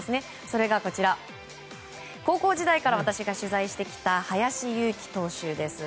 それが、高校時代から私が取材してきた林優樹投手です。